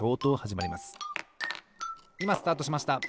いまスタートしました！